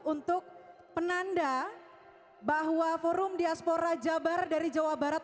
untuk penanda bahwa forum diaspora jabar dari jawa barat